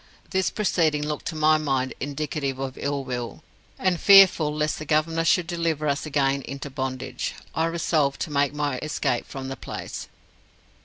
This proceeding looked to my mind indicative of ill will; and, fearful lest the Governor should deliver us again into bondage, I resolved to make my escape from the place.